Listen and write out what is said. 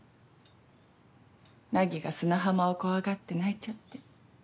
凪が砂浜を怖がって泣いちゃって。